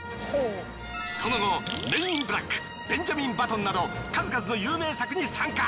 その後『メン・イン・ブラック』『ベンジャミン・バトン』など数々の有名作に参加。